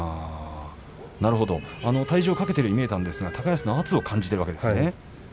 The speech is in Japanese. なるほど体重をかけているように見えたんですが高安の圧を感じているわけですね。